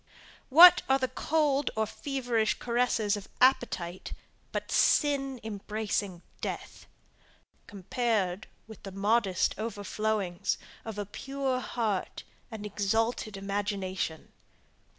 What are the cold or feverish caresses of appetite, but sin embracing death, compared with the modest overflowings of a pure heart and exalted imagination?